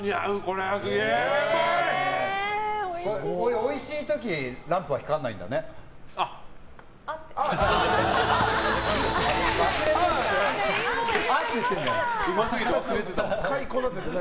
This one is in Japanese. おいしい時ランプは光らないんだね。